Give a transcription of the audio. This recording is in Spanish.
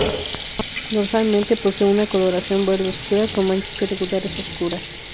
Dorsalmente posee una coloración verde oscura con manchas irregulares oscuras.